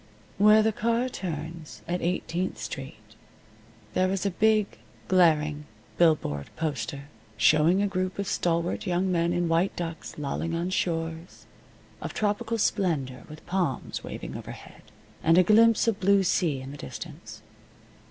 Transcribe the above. Where the car turns at Eighteenth Street there is a big, glaring billboard poster, showing a group of stalwart young men in white ducks lolling on shores, of tropical splendor, with palms waving overhead, and a glimpse of blue sea in the distance.